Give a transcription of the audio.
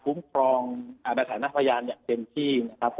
ภูมิครองแบตฐานหน้าพยานอย่างเต็มที่นะครับ